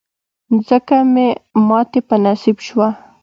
ځکه مو ماتې په نصیب شوه.